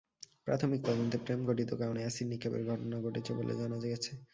প্রাথমিক তদন্তে প্রেমঘটিত কারণে অ্যাসিড নিক্ষেপের ঘটনা ঘটেছে বলে জানা গেছে।